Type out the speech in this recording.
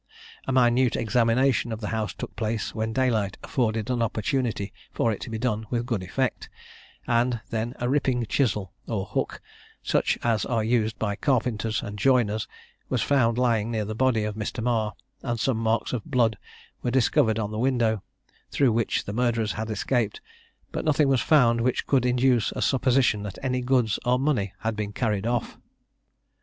A minute examination of the house took place when daylight afforded an opportunity for it to be done with good effect, and then a ripping chisel or hook, such as are used by carpenters and joiners, was found lying near the body of Mr. Marr, and some marks of blood were discovered on the window, through which the murderers had escaped; but nothing was found which could induce a supposition that any goods or money had been carried off.